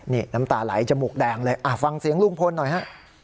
นี่น้ำตาไหลจมูกแดงเลยฟังเสียงลุงพลหน่อยฮะ